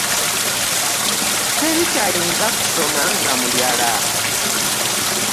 Teri ky'ayinza kusoma nga muyala.